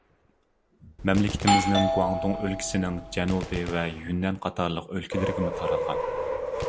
مەملىكىتىمىزنىڭ گۇاڭدۇڭ ئۆلكىسىنىڭ جەنۇبى ۋە يۈننەن قاتارلىق ئۆلكىلىرىگىمۇ تارالغان.